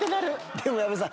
でも矢部さん